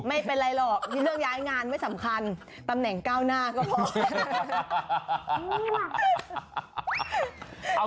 ไม่เป็นไรหรอกนี่เรื่องย้ายงานไม่สำคัญตำแหน่งก้าวหน้าก็พอ